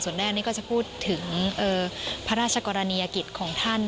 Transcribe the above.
ส่วนแรกนี้ก็จะพูดถึงพระราชกรณียกิจของท่าน